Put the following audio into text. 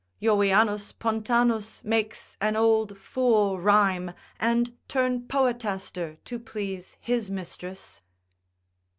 Jovianus Pontanus makes an old fool rhyme, and turn poetaster to please his mistress.